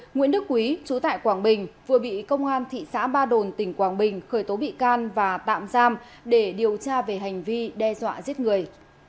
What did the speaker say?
nguyễn đức quý chú tại quảng bình vừa bị công an thị xã ba đồn tỉnh quảng bình khởi tố bị can và tạm giam để điều tra về hành vi đe dọa giết người